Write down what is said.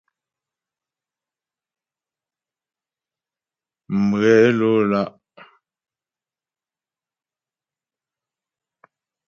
Mghě ló lá'.